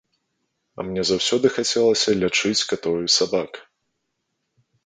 А мне заўсёды хацелася лячыць катоў і сабак.